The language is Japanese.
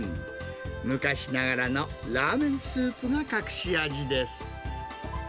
昔ながらのラーメンスープが隠し味です。